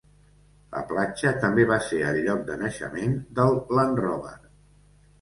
La platja també va ser el lloc de naixement del Land Rover.